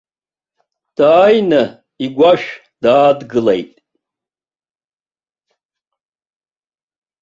Дааины игәашә даадгылеит.